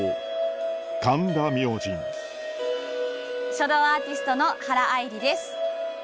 書道アーティストの原愛梨です。